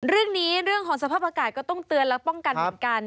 เรื่องของสภาพอากาศก็ต้องเตือนและป้องกันเหมือนกัน